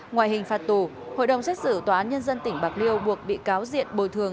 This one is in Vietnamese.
ngoài hình phạt tù hội đồng xét xử tòa án nhân dân tỉnh bạc liêu buộc bị cáo diện bồi thường